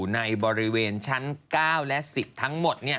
ในบริเวณชั้น๙และ๑๐ทั้งหมด